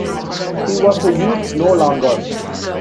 He was a youth no longer.